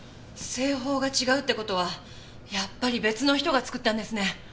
製法が違うって事はやっぱり別の人が作ったんですね。